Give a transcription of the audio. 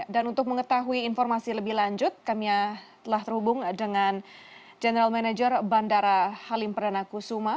dan untuk mengetahui informasi lebih lanjut kami telah terhubung dengan general manager bandara halim perdana kusuma